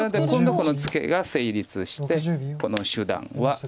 今度このツケが成立してこの手段は。